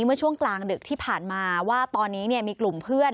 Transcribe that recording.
เมื่อช่วงกลางดึกที่ผ่านมาว่าตอนนี้มีกลุ่มเพื่อน